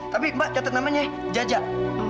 tapi mbak catat namanya jajak